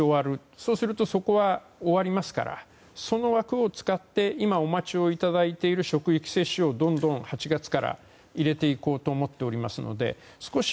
そうするとそこは終わりますからその枠を使って今お待ちをいただいている職域接種をどんどん８月から入れていこうと思っていますので少し